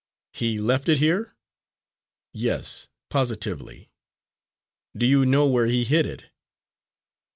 "He left it here?" Yes, positively. "Do you know where he hid it?"